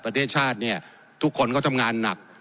ประเทศชาติเนี่ยทุกคนก็ทำงานหนัก